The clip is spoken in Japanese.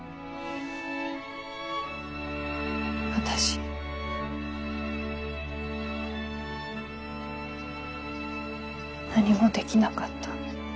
私何もできなかった。